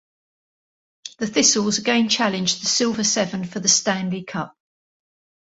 The Thistles again challenged the Silver Seven for the Stanley Cup.